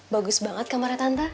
bagus banget kamarnya tante